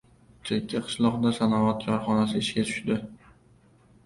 Chekka qishloqda sanoat korxonasi ishga tushdi